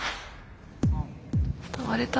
割れた？